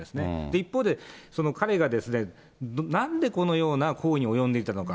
一方で、彼がなんでこのような行為に及んでいたのか。